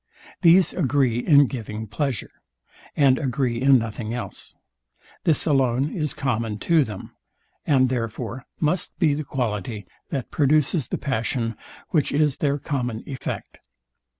These agree in giving pleasure, and agree in nothing else. This alone is common to them; and therefore must be the quality that produces the passion, which is their common effect.